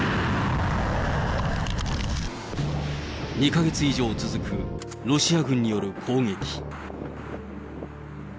２か月以上続く、ロシア軍による攻撃。